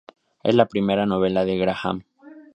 Es la primera novela de Graham.